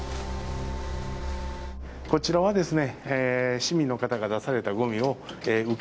こちらはですね。